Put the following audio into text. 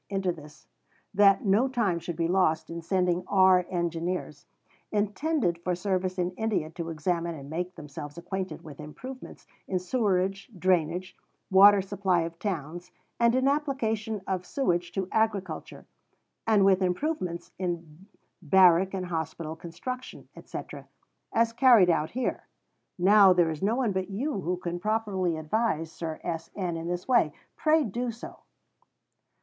into this, that no time should be lost in sending R. Engineers intended for service in India to examine and make themselves acquainted with improvements in sewerage, drainage, water supply of towns, and in application of sewage to agriculture, and with improvements in Barrack and Hospital construction, etc., as carried out here. Now, there is no one but you who can properly advise Sir S. N. in this way. Pray do so.